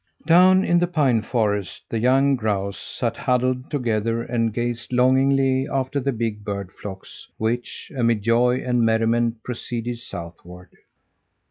Down in the pine forest the young grouse sat huddled together and gazed longingly after the big bird flocks which, amid joy and merriment, proceeded southward.